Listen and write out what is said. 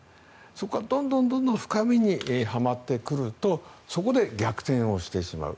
そこからどんどん深みにはまってくるとそこで逆転をしてしまう。